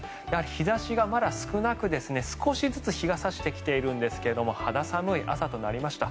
日差しがまだ少なく少しずつ日が差してきているんですが肌寒い朝となりました。